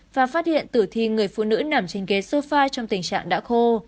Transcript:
và phát hiện tử thi người phụ nữ nằm trên ghế sofai trong tình trạng đã khô